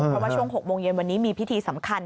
เพราะว่าช่วง๖โมงเย็นวันนี้มีพิธีสำคัญ